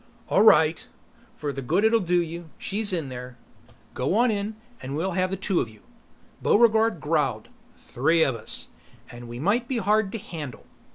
"All right for the good it'll do you. She's in there. Go on in and we'll have two of you!" Buregarde growled, "Three of us. And we might be hard to handle."